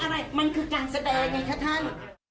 ไม่เพราะอะไรมันคือการแสดงนี่ค่ะท่าน